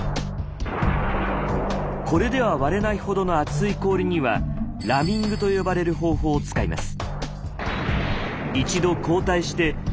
これでは割れないほどの厚い氷には「ラミング」と呼ばれる方法を使います。